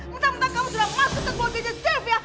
mentang mentang kamu sudah masuk ke kolam vicky sylvia